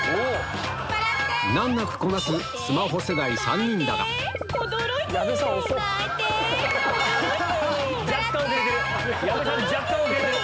難なくこなすスマホ世代３人だが矢部さん若干遅れてる。